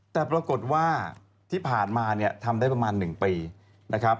แต่ปรากฏว่าที่ผ่านมาเนี่ยทำได้ประมาณ๑ปีนะครับ